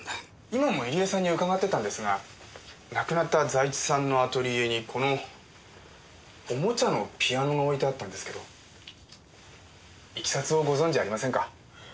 今も入江さんに伺ってたんですが亡くなった財津さんのアトリエにこのおもちゃのピアノが置いてあったんですけどいきさつをご存じありませんか？